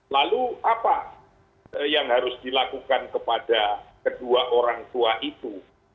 lalu apa yang harus dilakukan kepada kedua orang tua itu